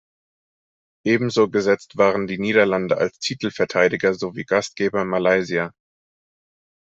Ebenso gesetzt waren die Niederlande als Titelverteidiger sowie Gastgeber Malaysia.